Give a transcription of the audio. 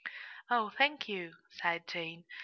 "Oh, thank you," sighed Jane.